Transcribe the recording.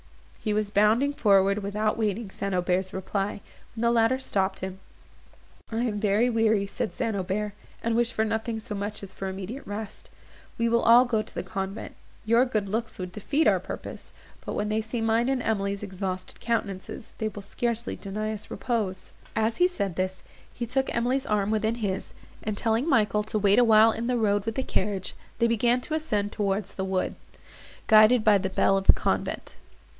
He was bounding forward, without waiting St. Aubert's reply, when the latter stopped him. "I am very weary," said St. Aubert, "and wish for nothing so much as for immediate rest. We will all go to the convent; your good looks would defeat our purpose; but when they see mine and Emily's exhausted countenances, they will scarcely deny us repose." As he said this, he took Emily's arm within his, and, telling Michael to wait awhile in the road with the carriage, they began to ascend towards the woods, guided by the bell of the convent.